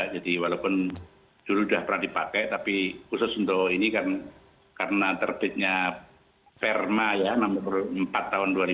jadi walaupun dulu sudah pernah dipakai tapi khusus untuk ini kan karena terbitnya perma ya nomor empat tahun dua ribu dua puluh